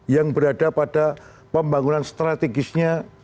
yang berada pada pembangunan strategisnya